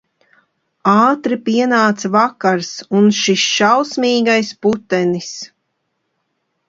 Ātri pienāca vakars un šis šausmīgais putenis.